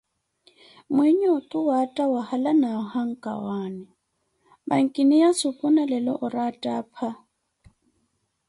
mwinyi otu waatta wahala na ohankawaani, mankini ya supu nalelo ori attapha.